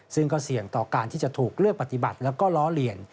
ซึ่งก็เสี่ยงต่อการที่จะถูกเลือกปฏิบัติแล้วก็ล้อเลียน